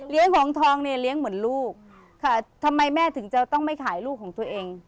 หงทองเนี่ยเลี้ยงเหมือนลูกค่ะทำไมแม่ถึงจะต้องไม่ขายลูกของตัวเอง